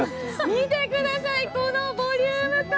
見てください、このボリューム感！